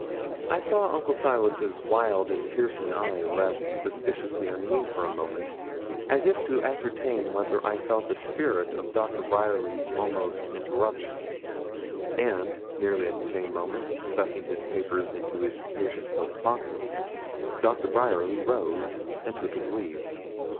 I saw Uncle Silas's wild and piercing eye rest suspiciously on me for a moment, as if to ascertain whether I felt the spirit of Doctor Bryerly's almost interruption; and, nearly at the same moment, stuffing his papers into his capacious coat pockets, Doctor Bryerly rose and took his leave.